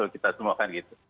kita semua kan gitu